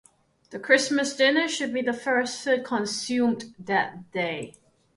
The Christmas dinner should be the first food consumed that day.